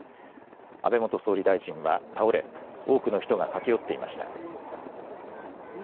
安倍元総理大臣は倒れ多くの人が駆け寄っていました。